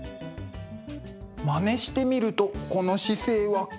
まねしてみるとこの姿勢はきつい。